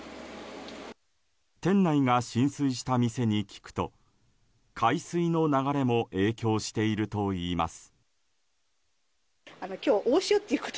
店内が浸水した店に聞くと海水の流れも影響しているといいます。